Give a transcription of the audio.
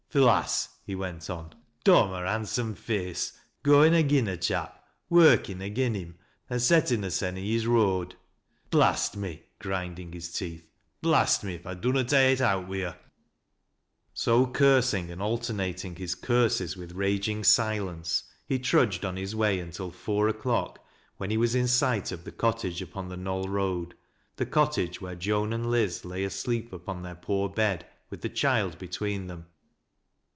"Th' lass," he went on. "Dom her handsome face Goin' a^In a chap — workin' agin him, an' settin' herson ' his road. Blast me," grinding his teeth —'' Blast me if I doiiDot ha' it out wi' her !" DAN LOWBIE'S MMTUBN. 1(JS ^•» cursing, and alternating his curses ^dth raging si lence, he trudged on his way until four o'clock, when lie was in sight of the cottage upon the Knoll Road — the cot tage where Joan and Liz lay asleep upon their poor bed, with the child between them.